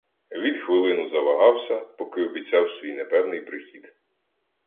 Він хвилину завагався, поки обіцяв свій непевний прихід.